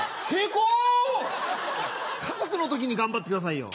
家族の時に頑張ってくださいよ。